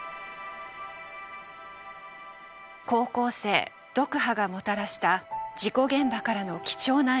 高校生ドクハがもたらした事故現場からの貴重なＳＯＳ。